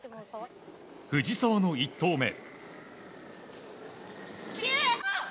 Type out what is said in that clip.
藤澤の１投目。